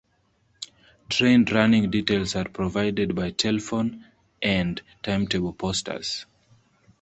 Train running details are provided by telephone and timetable posters.